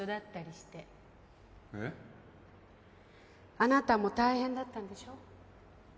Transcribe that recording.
あなたも大変だったんでしょ？